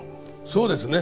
そうですね。